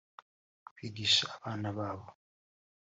kwigisha abana babo